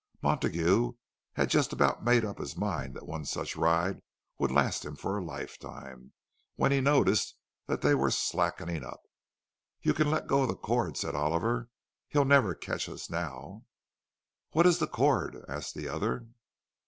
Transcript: Montague had just about made up his mind that one such ride would last him for a lifetime, when he noticed that they were slacking up. "You can let go the cord," said Oliver. "He'll never catch us now." "What is the cord?" asked the other.